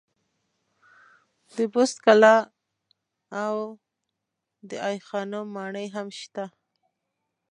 د بست کلا او دای خانم ماڼۍ هم شته.